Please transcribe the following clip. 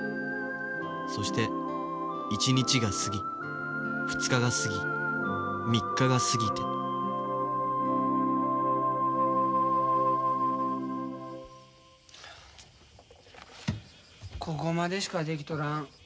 そして１日が過ぎ２日が過ぎ３日が過ぎてここまでしか出来とらん。